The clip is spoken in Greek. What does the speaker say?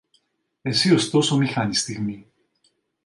Εσύ ωστόσο μη χάνεις στιγμή.